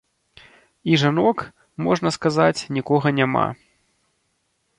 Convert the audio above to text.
І жанок, можна сказаць, нікога няма.